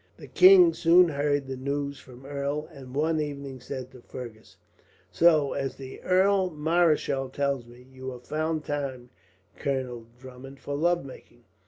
The king soon heard the news from the Earl, and one evening said to Fergus: "So, as the Earl Marischal tells me, you have found time, Colonel Drummond, for love making.